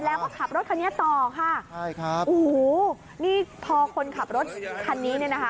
แล้วก็ขับรถคันนี้ต่อค่ะใช่ครับโอ้โหนี่พอคนขับรถคันนี้เนี่ยนะคะ